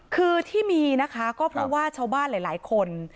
คือที่มีนะคะก็เพราะว่าชาวบ้านหลายคน